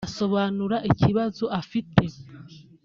Asobanura ibibazo bifite